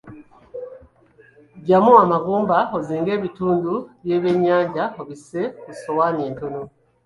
Ggyamu amagumba, ozinge ebitundu by'ebyennyanja, obisse ku ssowaani entono.